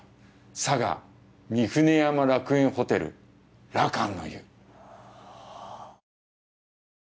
佐賀御船山楽園ホテルらかんの湯。